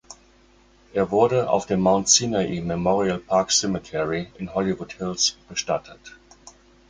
Er wurde auf dem Mount Sinai Memorial Park Cemetery in Hollywood Hills bestattet.